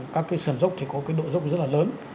các cái sườn dốc thì có cái độ dốc rất là lớn